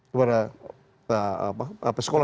sebagai pesekolah yang sedang